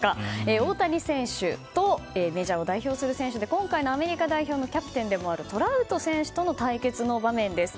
大谷選手とメジャーを代表する選手で今回のアメリカ代表のキャプテンでもあるトラウト選手の対決の場面です。